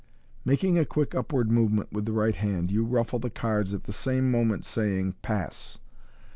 Making a quick upward movement with the right hand, you ruffle the cards, at the same moment saying, " Pass